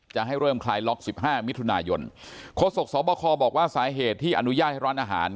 จะให้เริ่มคลายล็อกสิบห้ามิถุนายนโฆษกสบคบอกว่าสาเหตุที่อนุญาตให้ร้านอาหาร